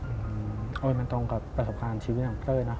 เออมันตรงกับประสบความชีวิตของเต้ยนะ